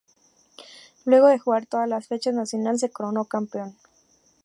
Luego de jugar todas las fechas, Nacional se coronó campeón.